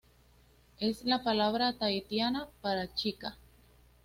Es la palabra tahitiana para "chica".